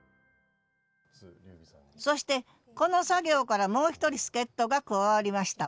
そしてこの作業からもう一人助っとが加わりました。